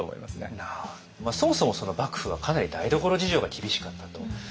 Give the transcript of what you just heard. まあそもそも幕府はかなり台所事情が厳しかったと。